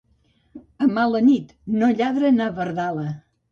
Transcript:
A mala nit, no lladra na Verdala.